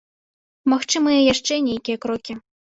Магчымыя яшчэ нейкія крокі.